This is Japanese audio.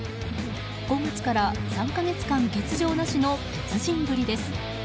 ５月から３か月間欠場なしの鉄人ぶりです。